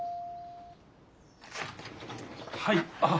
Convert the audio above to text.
はいあっ。